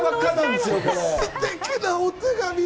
すてきなお手紙。